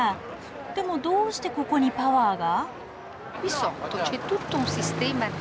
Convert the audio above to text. でもどうしてここにパワーが？